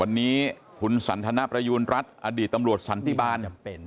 วันนี้คุณสันทนประยูณรัฐอดีตตำรวจสันติบาล